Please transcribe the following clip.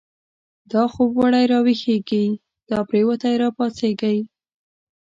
دا خوب وړی راويښږی، دا پريوتی را پا څيږی